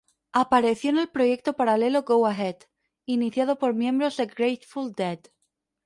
Apareció en el proyecto paralelo Go Ahead, iniciado por miembros de Grateful Dead.